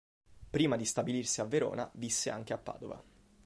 Prima di stabilirsi a Verona visse anche a Padova.